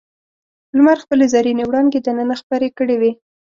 لمر خپلې زرینې وړانګې دننه خپرې کړې وې.